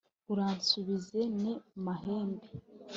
uransubize n’i mahembe